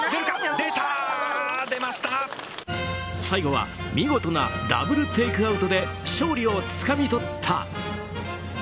最後は見事なダブルテイクアウトで勝利をつかみ取った！